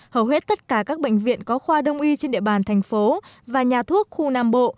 hầu hết tất cả các bệnh viện có khoa đông y trên địa bàn thành phố và nhà thuốc khu nam bộ